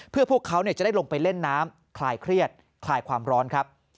เพื่อพวกเขาจะได้ลงไปเล่นน้ำคลายเครียดคลายความร้อนครับ